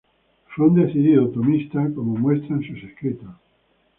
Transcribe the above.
Fue un decidido tomista, como muestran sus escritos.